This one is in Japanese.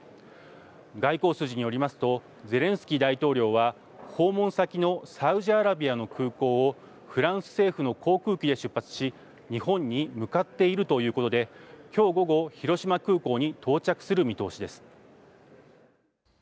外交筋によりますとゼレンスキー大統領は訪問先のサウジアラビアの空港をフランス政府の航空機で出発し日本に向かっているということできょう午後、広島空港に到着する見通しです。